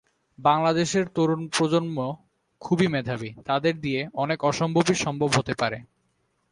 বাংলাদেশের তরুণ প্রজন্ম খুবই মেধাবী, তাঁদের দিয়ে অনেক অসম্ভবই সম্ভব হতে পারে।